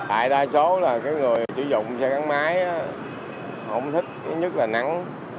tại đa số là người sử dụng xe cắn máy không thích nhất là nắng